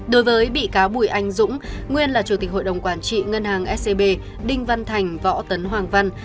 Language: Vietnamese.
đối với bị cáo bùi anh dũng nguyên là chủ tịch hội đồng quản trị ngân hàng scb đinh văn thành võ tấn hoàng văn